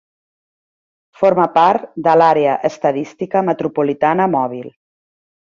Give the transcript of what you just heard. Forma part de l'àrea estadística metropolitana mòbil.